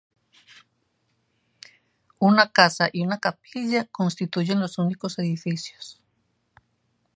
Una casa y una pequeña capilla, constituyen los únicos edificios.